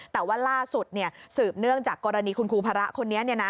แต่ว่าล่าสุดสืบเนื่องจากกรณีคุณครูพระคนนี้